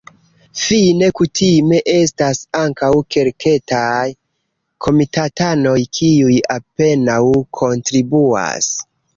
Fine kutime estas ankaŭ kelketaj komitatanoj, kiuj apenaŭ kontribuas.